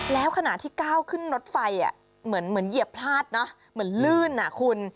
แล้วขณะที่ก้าวขึ้นรถไฟเหมือนเหยียบพลาดนะเหมือนลื่นอ่ะคุณ